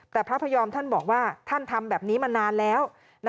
แต่พระพยอมท่านบอกว่าท่านทำแบบนี้มานานแล้ว